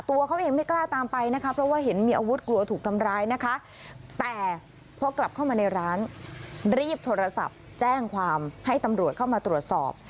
ตัวเขาเองไม่กล้าตามไปนะคะเพราะว่าเห็นมีอาวุธกลัวถูกทำร้ายนะคะแต่พอกลับเข้ามาในร้านรีบโทรศัพท์แจ้งความให้ตำรวจเข้ามาตรวจสอบ